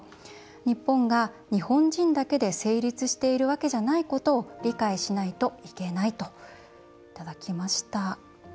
日本が日本人だけで成立しているわけじゃないことを理解しないといけない」といただきました。